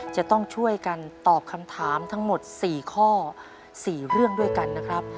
จะต้องช่วยกันตอบคำถามทั้งหมด๔ข้อ๔เรื่องด้วยกันนะครับ